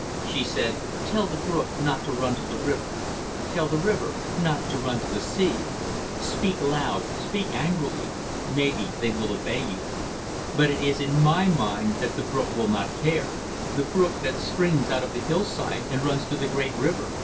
She said "Tell the brook not to run to the river; tell the river not to run to the sea. Speak loud. Speak angrily. Maybe they will obey you. But it is in my mind that the brook will not care. The brook that springs out of the hillside and runs to the great river.